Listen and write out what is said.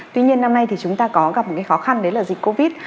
tuy nhiên năm nay thì chúng ta có gặp một khó khăn đấy là dịch covid